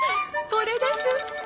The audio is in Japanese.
これです！